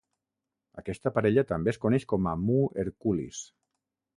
Aquesta parella també es coneix com a Mu Herculis.